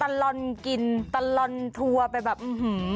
ตัลรอนกินตัลรอนทัวร์ไปแบบอื้อฮือ